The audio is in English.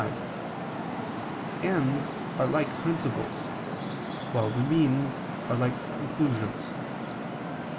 5), ends are like principles, while the means are like conclusions.